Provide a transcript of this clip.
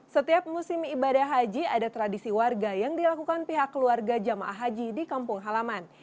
setiap musim ibadah haji ada tradisi warga yang dilakukan pihak keluarga jamaah haji di kampung halaman